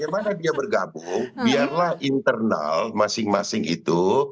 bagaimana dia bergabung biarlah internal masing masing itu